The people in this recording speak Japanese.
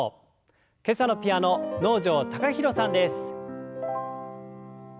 今朝のピアノ能條貴大さんです。